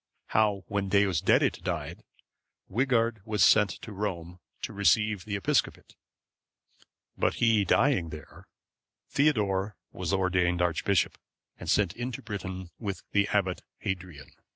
How when Deusdedit died, Wighard was sent to Rome to receive the episcopate; but he dying there, Theodore was ordained archbishop, and sent into Britain with the Abbot Hadrian.